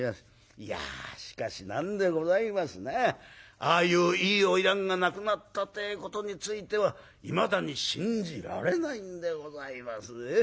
いやしかし何でございますねああいういい花魁が亡くなったてえことについてはいまだに信じられないんでございますね。